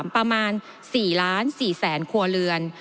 ประมาณ๔๔๐๐๐ครัวเรือน